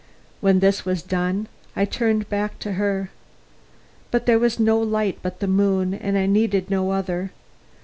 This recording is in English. When this was done, I turned back to her. There was no light but the moon, and I needed no other.